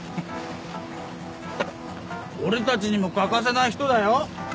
俺たちにも欠かせない人だよ。